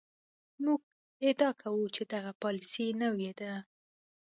موږ ادعا کوو چې دغه پالیسي نوې ده.